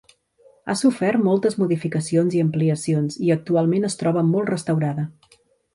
Ha sofert moltes modificacions i ampliacions i actualment es troba molt restaurada.